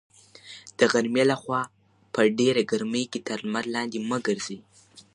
د غرمې لخوا په ډېره ګرمۍ کې تر لمر لاندې مه ګرځئ.